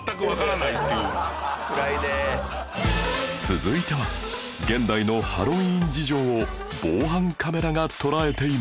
続いては現代のハロウィーン事情を防犯カメラが捉えていました